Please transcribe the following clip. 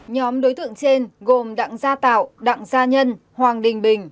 nhóm đối tượng trên gồm đặng gia tạo đặng gia nhân hoàng đình bình